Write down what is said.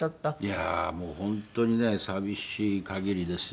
いやもう本当にね寂しい限りですね。